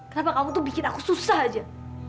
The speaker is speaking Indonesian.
kenapa kamu tuh bikin aku susah aja